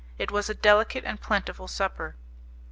It was a delicate and plentiful supper.